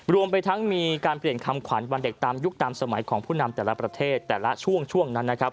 รวมไปทั้งมีการเปลี่ยนคำขวัญวันเด็กตามยุคตามสมัยของผู้นำแต่ละประเทศแต่ละช่วงช่วงนั้นนะครับ